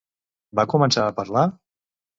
Va començar a parlar?